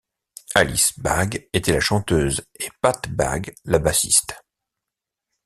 Alice Bag était la chanteuse et Pat Bag la bassiste.